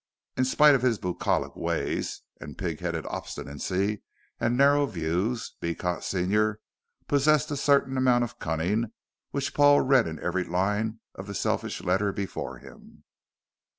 In spite of his bucolic ways and pig headed obstinacy and narrow views, Beecot senior possessed a certain amount of cunning which Paul read in every line of the selfish letter before him.